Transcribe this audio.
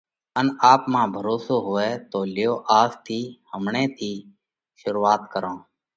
ان آپ مانه ڀروسو هوئہ۔ تو ليو آز ٿِي، همڻئہ ٿِي شرُوعات ڪرو۔